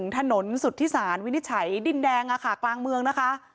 ถนนสุธิศาลวินิจฉัยดินแดงกลางเมืองนะคะ